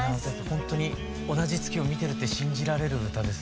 ほんとに同じ月を見てるって信じられる歌ですね。